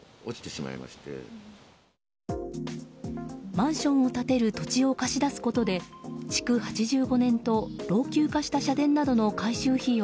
マンションを建てる土地を貸し出すことで築８５年と老朽化した社殿などの改修費用